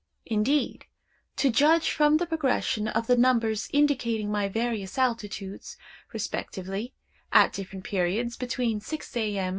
Indeed, to judge from the progression of the numbers indicating my various altitudes, respectively, at different periods, between six A.M.